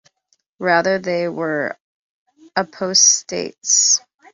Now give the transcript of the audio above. Rather, they were apostates.